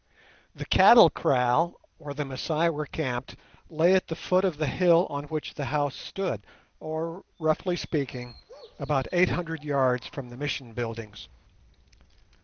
The cattle kraal where the Masai were camped lay at the foot of the hill on which the house stood, or, roughly speaking, about eight hundred yards from the Mission buildings.